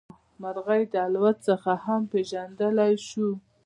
مرغۍ د الوت څخه هم پېژندلی شو.